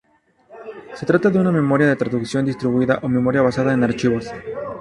Se trata de una memoria de traducción distribuida o memoria basada en archivos.